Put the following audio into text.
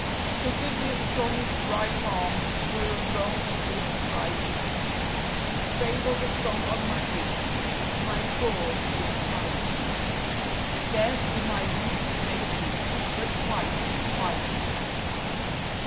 _So give me a strong right arm for a wrong's swift righting; Stave of a song on my lips as my sword is smiting; Death in my boots may be, but fighting, fighting.